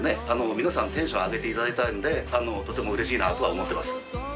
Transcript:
皆さんテンション上げていただいたんでとてもうれしいなあとは思っています。